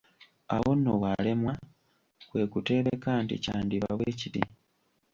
Awo nno bw'alemwa, kwe kuteebeka nti: kyandiba bwe kiti.